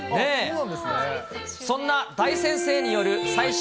そんな大先生による最新！